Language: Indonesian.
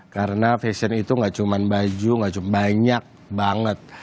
karena fashion itu nggak cuma baju nggak cuma banyak banget